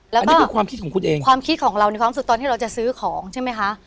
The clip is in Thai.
อันนี้คือความคิดของคุณเองความคิดของเราในความรู้สึกตอนที่เราจะซื้อของใช่ไหมคะ